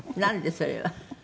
それは」